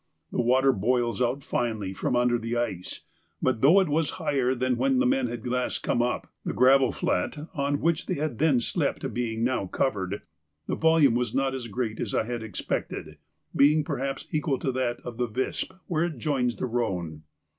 The water boils out finely from under the ice, but, though it was higher than when the men had last come up, the gravel flat on which they had then slept being now covered, the volume was not as great as I had expected, being perhaps equal to that of the Visp where it joins the Rhone.